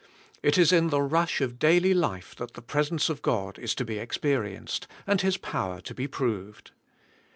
It is in the rush of daily life that the pres ence of God is to be experienced, and His power to be proved.